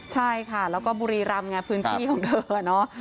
ใช่ค่ะแล้วก็บุรีรัมณ์ไงภูมิคิ่งของเธอเนอะอืม